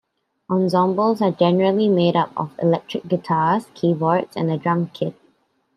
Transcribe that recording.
Ensembles are generally made up of electric guitars, keyboards and a drum kit.